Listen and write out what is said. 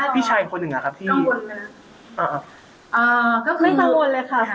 พี่คนหนึ่งเค้าจะมาเมื่อไหร่